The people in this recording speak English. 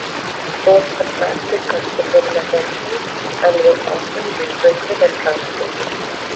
Both attracted considerable attention, and were often reprinted and translated.